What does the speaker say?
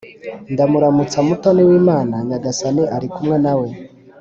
ndakuramutsa mutoni w’imana, nyagasani ari kumwe nawe